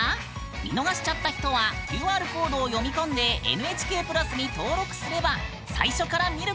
見逃しちゃった人はＱＲコードを読み込んで「ＮＨＫプラス」に登録すれば最初から見ることができるよ！